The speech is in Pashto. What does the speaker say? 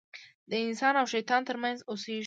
د انسان او شیطان تر منځ اوسېږم.